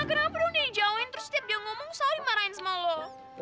kenapa lo udah dijauhin terus setiap dia ngomong selalu dimarahin sama lo